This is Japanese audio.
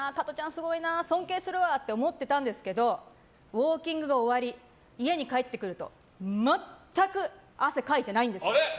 すごいな尊敬するなって思ってたんですけどウォーキングが終わり家に帰ってくると全く汗かいてないんですよ。